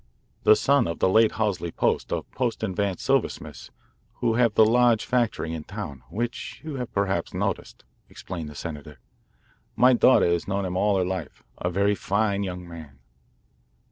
"The son of the late Halsey Post, of Post & Vance, silversmiths, who have the large factory in town, which you perhaps noticed," explained the senator. "My daughter has known him all her life. A very fine young man."